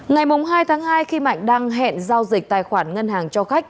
ngày hai tháng hai khi mạnh đang hẹn giao dịch tài khoản ngân hàng cho khách